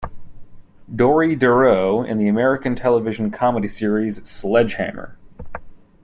Dori Doreau in the American television comedy series Sledge Hammer!